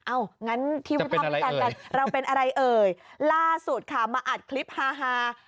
อ้าวงั้นทีวีพ่อมีตัดกันเราเป็นอะไรเอ่ยล่าสุดค่ะมาอัดคลิปฮ่า